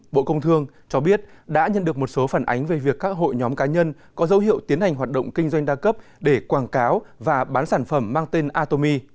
bộ công thương cho biết đã nhận được một số phản ánh về việc các hội nhóm cá nhân có dấu hiệu tiến hành hoạt động kinh doanh đa cấp để quảng cáo và bán sản phẩm mang tên atomi